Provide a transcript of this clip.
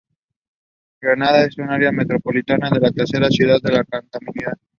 Granada con su área metropolitana es la tercera ciudad más contaminada